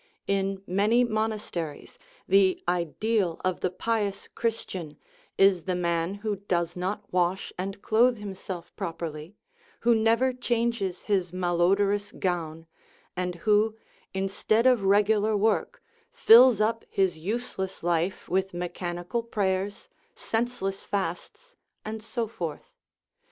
In many monasteries the ideal of the pious Christian is the man who does not wash and clothe himself properly, who never changes his malo dorous gown, and who, instead of regular work, fills up his useless life with mechanical prayers, senseless fasts, and so forth.